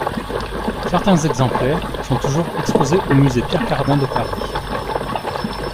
Certains exemplaires sont toujours exposés au Musée Pierre Cardin de Paris.